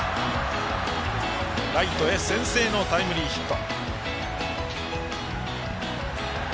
ライトへ先制のタイムリーヒット。